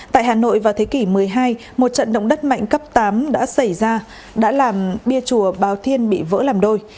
tại hà nội vào thế kỷ một mươi hai một trận động đất mạnh cấp tám đã xảy ra đã làm bia chùa bào thiên bị vỡ làm đôi